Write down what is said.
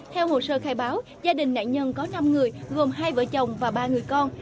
theo hồ sơ khai báo gia đình nạn nhân có năm người gồm hai vợ chồng và ba người con